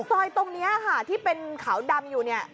ซอยตรงนี้ค่ะที่เป็นขาวดำอยู่เนี่ย